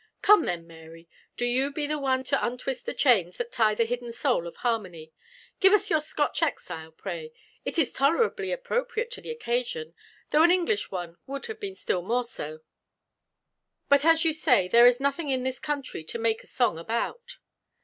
"Come then, Mary, do you be the one to 'untwist the chains that tie the hidden soul of harmony.' Give us your Scotch Exile, pray? It is tolerably appropriate to the occasion, though an English one would have been still more so; but, as you say, there is nothing in this country to make a song about."